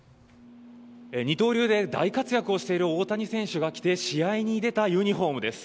二刀流で大活躍をしている大谷選手が着て試合に出たユニホームです。